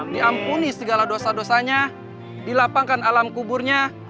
diampuni segala dosa dosanya dilapangkan alam kuburnya